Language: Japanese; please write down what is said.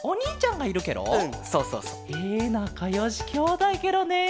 えなかよしきょうだいケロね。